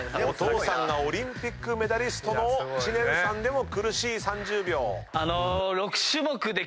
お父さんがオリンピックメダリストの知念さんでも苦しい３０秒。